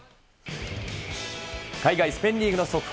海外スペインリーグの速報。